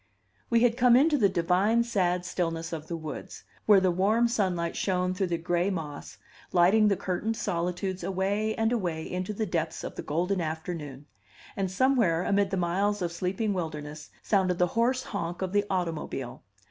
We had come into the divine, sad stillness of the woods, where the warm sunlight shone through the gray moss, lighting the curtained solitudes away and away into the depths of the golden afternoon; and somewhere amid the miles of sleeping wilderness sounded the hoarse honk of the automobile.